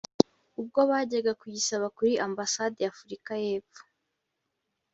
ubwo bajyaga kuyisaba kuri ambasade y’Afurika y’Epfo